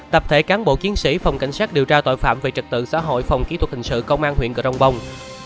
tập thể cán bộ chiến sĩ phòng cảnh sát điều tra tội phạm về trật tự xã hội phòng kỹ thuật hình sự công an huyện cờ rông bông